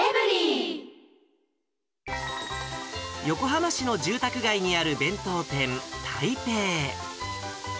横浜市の住宅街にある弁当店、台北。